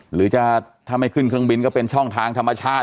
หรือจะถ้าไม่ขึ้นเครื่องบินก็เป็นช่องทางธรรมชาติ